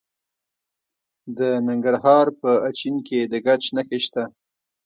د ننګرهار په اچین کې د ګچ نښې شته.